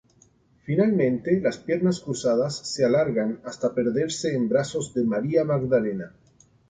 Finalmente, las piernas cruzadas se alargan hasta perderse en brazos de María Magdalena.